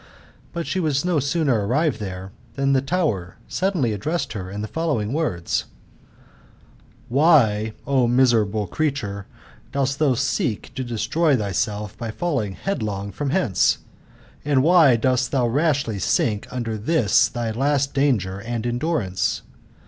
But she was no sooner arrived there/tfaaniihe tower suddenly addressed her in fhe following wor& : "Why, O miserable creature, dost thou seek to destroy thyself by falling headlong from whence ? And Why dost thdti rashly sink under this thy last danger and endurance